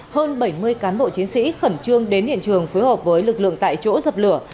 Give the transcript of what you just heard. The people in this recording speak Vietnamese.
hơn bảy mươi cán bộ chiến sĩ khẩn trương đến hiện trường phối hợp với lực lượng tại chỗ dập lửa